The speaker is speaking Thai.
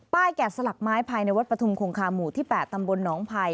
แกะสลักไม้ภายในวัดปฐุมคงคาหมู่ที่๘ตำบลหนองภัย